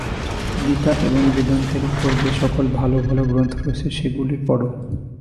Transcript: গীতা এবং বেদান্তের উপর যে-সব ভাল ভাল গ্রন্থ রয়েছে, সেগুলি পড়।